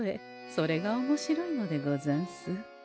それがおもしろいのでござんす。